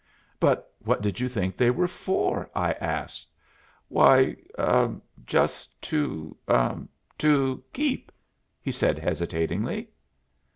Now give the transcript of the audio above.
"But what did you think they were for?" I asked. "Why just to to keep," he said hesitatingly.